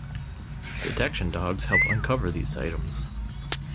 Detection dogs help uncover these items.